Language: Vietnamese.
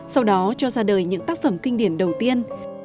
sau đó cho ra đời những tác phẩm kinh điển đầu tiên